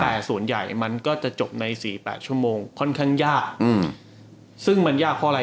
แต่ส่วนใหญ่มันก็จะจบใน๔๘ชั่วโมงค่อนข้างยากซึ่งมันยากเพราะอะไร